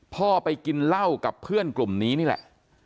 พ่อไปกินเหล้ากับเพื่อนกลุ่มนี้นี่แหละ